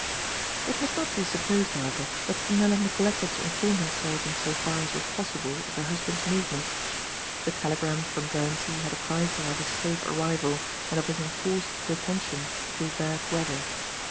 It must not be supposed, however, that Fenella neglected to inform herself in so far as was possi ble of her husband's movements. The telegrarn from Guernsey had apprised her of his safe arriv al, and of his enforced detention through bad weather.